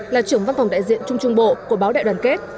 là trưởng văn phòng đại diện trung trung bộ của báo đại đoàn kết